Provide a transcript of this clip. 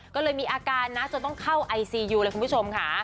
ก็เลยมีอาการนะจนต้องเข้าไอซียูเลยคุณผู้ชมค่ะ